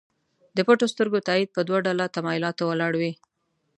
د پټو سترګو تایید په دوه ډوله تمایلاتو ولاړ وي.